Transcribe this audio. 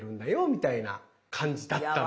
みたいな感じだったんですよ。